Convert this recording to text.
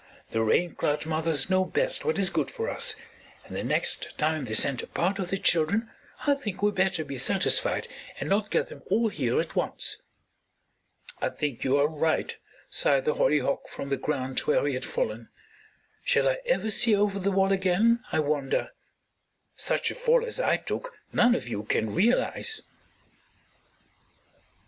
"The Rain Cloud mothers know best what is good for us, and the next time they send a part of their children I think we better be satisfied and not get them all here at once." "I think you are right," sighed the hollyhock from the ground, where he had fallen. "Shall I ever see over the wall again, I wonder. Such a fall as I took none of you can realize."